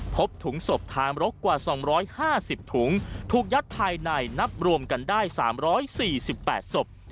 พบถุงศพทางรกกว่าสองร้อยห้าสิบถุงถูกยัดภายในนับรวมกันได้สามร้อยสี่สิบแปดศพ